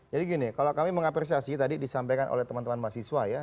jadi gini kalau kami mengapresiasi tadi disampaikan oleh teman teman mahasiswa ya